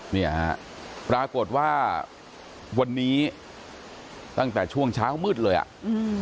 เนี่ยฮะปรากฏว่าวันนี้ตั้งแต่ช่วงเช้ามืดเลยอ่ะอืม